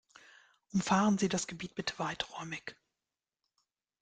Umfahren Sie das Gebiet bitte weiträumig.